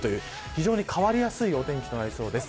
非常に変わりやすいお天気となりそうです。